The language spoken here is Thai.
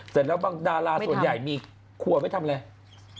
แต่บางดาราส่วนใหญ่ครัวไม่ทำอะไร